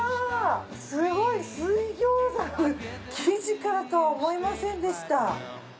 すごい水餃子の生地からとは思いませんでした。